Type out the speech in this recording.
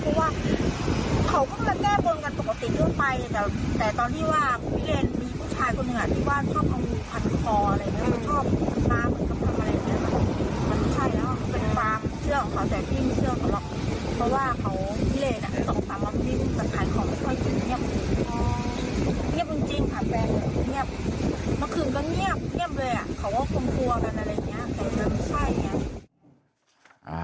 อ๋อเงียบจริงค่ะแบร์หน่อยเงียบเมื่อคืนก็เงียบเลยอะเขาก็คงกลัวแล้วอะไรเงี้ยแต่ก็รักใช่เนี่ย